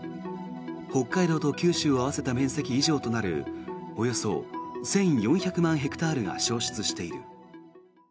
北海道と九州を合わせた面積以上となるおよそ１４００万ヘクタールが焼失している。